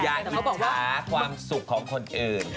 อย่าอินชาความสุขของคนอื่น